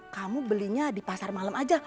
kamu belinya di pasar malam aja